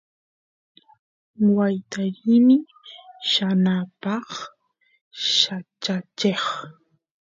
waayta rini yanapaq yachacheq